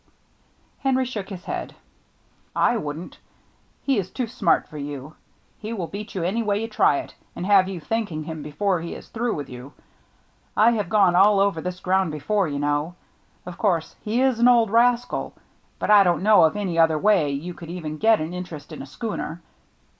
Henry shook his head. " I wouldn't. He is too smart for you. He will beat you any way you try it, and have you thanking him before he is through with you. I have gone all over this ground before, you know. Of course he is an old rascal — but I don't know of any other way you could even get an interest in a schooner.